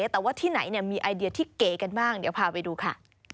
แต่ว่าที่ไหนมีไอเดียที่เก๋กันบ้างเดี๋ยวพาไปดูค่ะ